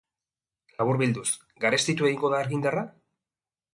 Laburbilduz, garestitu egingo da argindarra?